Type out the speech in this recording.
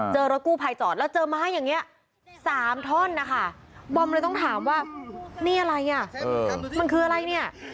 รถกู้ภัยจอดแล้วเจอไม้อย่างนี้๓ท่อนนะคะบอมเลยต้องถามว่านี่อะไรอ่ะมันคืออะไรเนี่ย